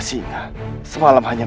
yang tersebut sangat benda